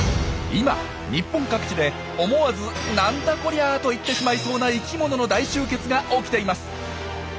今日本各地で思わず「なんだこりゃ！！」と言ってしまいそうな生きものの大集結が起きています！